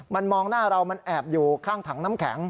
มันมองหน้าเรามันแอบอยู่ข้างถังน้ำแข็ง